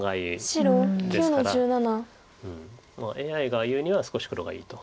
ＡＩが言うには少し黒がいいと。